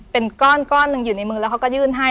เป็นก้อนหนึ่งอยู่ในมือแล้วเขาก็ยื่นให้